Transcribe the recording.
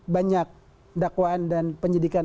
banyak dakwaan dan penyidikan